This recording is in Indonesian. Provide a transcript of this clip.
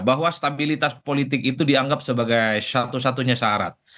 bahwa stabilitas politik itu dianggap sebagai satu satunya syarat